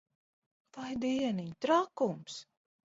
Vai dieniņ! Trakums.